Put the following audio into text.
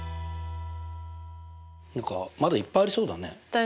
何かまだいっぱいありそうだね。